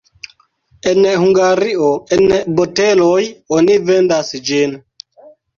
En Hungario en boteloj oni vendas ĝin.